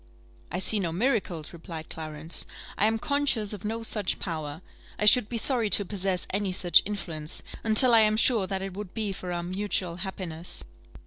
"I see no miracles," replied Clarence; "I am conscious of no such power. I should be sorry to possess any such influence, until I am sure that it would be for our mutual happiness."